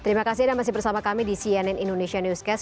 terima kasih sudah bersama kami di sian indonesian newscast